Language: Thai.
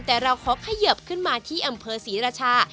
แต่เราขอเขยิบขึ้นมาที่อำเภอศรีราชา